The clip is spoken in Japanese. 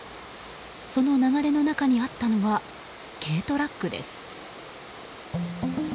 その流れの中にあったのは軽トラックです。